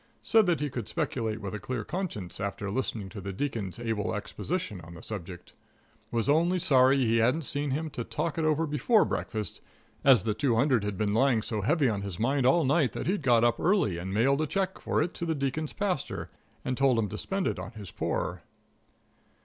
Said that he could speculate with a clear conscience after listening to the Deacon's able exposition of the subject. Was only sorry he hadn't seen him to talk it over before breakfast, as the two hundred had been lying so heavy on his mind all night that he'd got up early and mailed a check for it to the Deacon's pastor and told him to spend it on his poor.